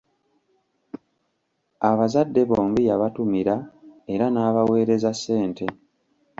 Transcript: Abazadde bombi yabatumira era n'abaweereza ssente.